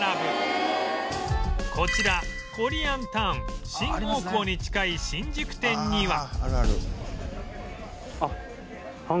こちらコリアンタウン新大久保に近い新宿店には